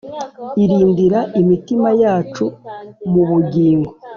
Irindira imitima yacu mu bugingo